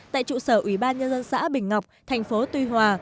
tại trụ sở ủy ban nhân dân xã bình ngọc thành phố tuy hòa